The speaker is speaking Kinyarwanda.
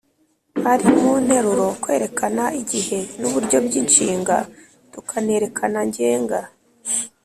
ari mu nteruro, kwerekana igihe n’uburyo by’inshinga, tukanerekana ngenga.